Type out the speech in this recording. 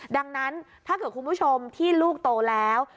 ดังนั้นถ้าเกิดคุณผู้ชมที่ลูกโตแล้ว